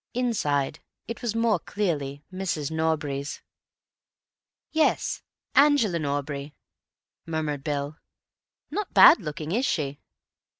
Inside, it was more clearly Mrs. Norbury's. "Yes—Angela Norbury," murmured Bill. "Not bad looking, is she?"